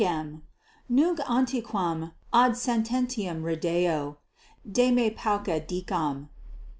= Nunc antequam ad sententiam redeo, de me pauca dicam.